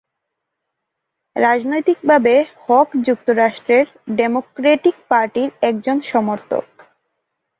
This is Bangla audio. রাজনৈতিকভাবে হক যুক্তরাষ্ট্রের ডেমোক্রেটিক পার্টির একজন সমর্থক।